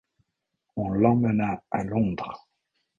On l’emmena à Londres.